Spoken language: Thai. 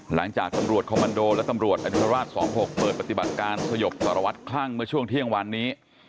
หลังจากตำรวจคอมมันโดและตำรวจอนุราช๒๖เปิดปฏิบัติการสยบสารวัตรคลั่งเมื่อช่วงเที่ยงวันนี้